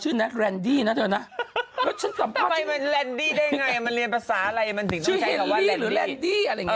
ชื่อเฮนรี่หรือแรนดี่